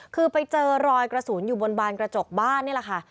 คือไปเจอรอยกระสุนอยู่บนบานกระจกบ้านนี่แหละค่ะ